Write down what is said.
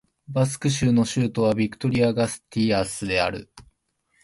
バスク州の州都はビトリア＝ガステイスである